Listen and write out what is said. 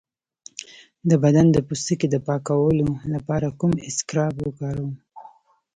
د بدن د پوستکي د پاکولو لپاره کوم اسکراب وکاروم؟